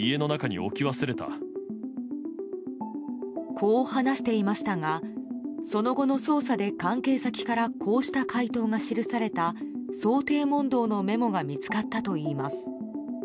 こう話していましたがその後の捜査で関係先からこうした回答が記された想定問答のメモが見つかったといいます。